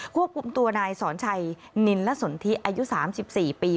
ควบคุมตัวนายสอนชัยนินละสนทิอายุ๓๔ปี